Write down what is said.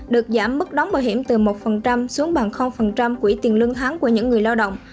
được giảm mức đóng bảo hiểm từ một xuống bằng quỹ tiền lương tháng của những người lao động